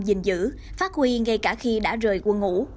dình dữ phát huy ngay cả khi đã rời quân ngũ